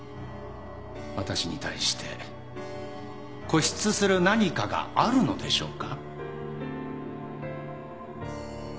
私に対して固執する何かがあるのでしょうか。